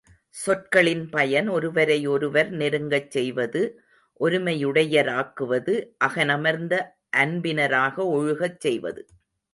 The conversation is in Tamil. சொற்களின் பயன் ஒருவரை ஒருவர் நெருங்கச் செய்வது ஒருமையுடையராக்குவது அகனமர்ந்த அன்பினராக ஒழுகச் செய்வது.